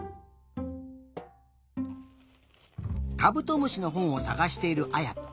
カブトムシのほんをさがしているあやと。